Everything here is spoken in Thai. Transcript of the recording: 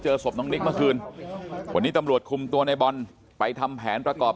ศพน้องนิกเมื่อคืนวันนี้ตำรวจคุมตัวในบอลไปทำแผนประกอบ